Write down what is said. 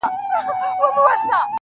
اوس دادی,